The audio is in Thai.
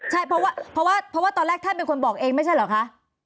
ใช่เพราะว่าเพราะว่าตอนแรกท่านเป็นคนบอกเองไม่ใช่เหรอคะ